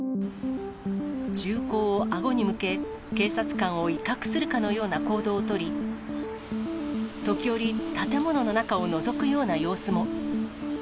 銃口をあごに向け、警察官を威嚇するかのような行動を取り、時折、建物の中をのぞくような様子も。